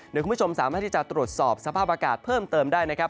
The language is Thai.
เดี๋ยวคุณผู้ชมสามารถที่จะตรวจสอบสภาพอากาศเพิ่มเติมได้นะครับ